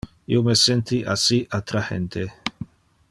Io me senti assi attrahente.